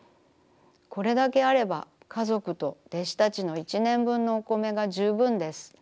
これだけあれば家族と弟子たちの一年分のお米が十分です。